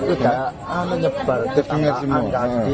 udah ngebal tangan anjing